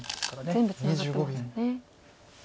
全部ツナがってますよね。